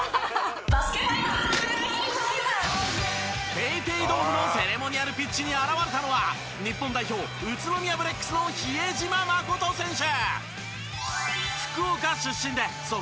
ＰａｙＰａｙドームのセレモニアルピッチに現れたのは日本代表宇都宮ブレックスの比江島慎選手。